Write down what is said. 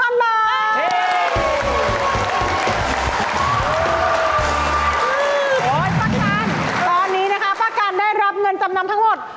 โอ้โหป้ากันตอนนี้นะคะป้ากันได้รับเงินจำนำทั้งหมด